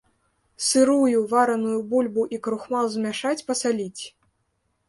Сырую, вараную бульбу і крухмал змяшаць, пасаліць.